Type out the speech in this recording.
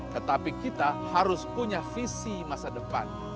tetapi kita harus punya visi masa depan